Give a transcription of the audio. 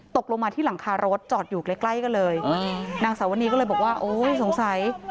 ตกลงมาที่หลังคารถจอดอยู่ใกล้ใกล้กันเลยนางสาวนีก็เลยบอกว่าโอ้ยสงสัย